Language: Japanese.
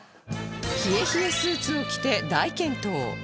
冷え冷えスーツを着て大健闘